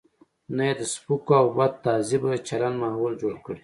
نه یې د سپکو او بدتهذیبه چلن ماحول جوړ کړي.